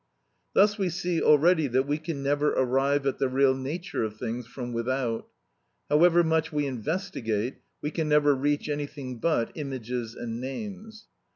Thus we see already that we can never arrive at the real nature of things from without. However much we investigate, we can never reach anything but images and names.